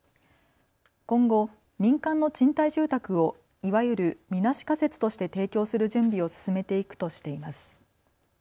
今後、民間の賃貸住宅をいわゆるみなし仮設として提供する準備を進めていくとしています。